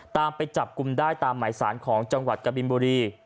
ตามไปจับกลุ่มได้ตามหมายสารของจังหวัดกบินบุรี